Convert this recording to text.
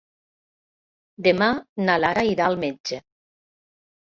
Demà na Lara irà al metge.